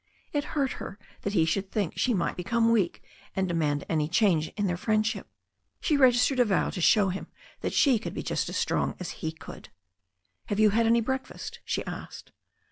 It hurt her that he should think she might become weak and demand any change in their friendship. She registered a vow to show him that she could be just as strong as he could. "Have you had any breakfast?" she asked.